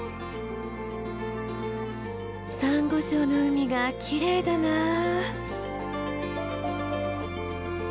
サンゴ礁の海がきれいだなあ。